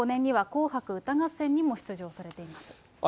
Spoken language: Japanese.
２００５年には紅白歌合戦にも出場されています。